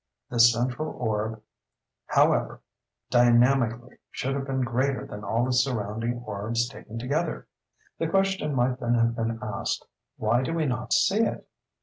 This central orb, however, dynamically, should have been greater than all its surrounding orbs taken together. The question might then have been asked—"Why do we not see it?"